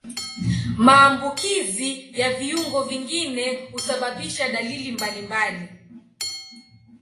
Maambukizi ya viungo vingine husababisha dalili mbalimbali.